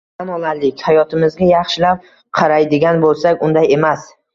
Tan olaylik, hayotimizga yaxshilab qaraydigan bo‘lsak, unday emas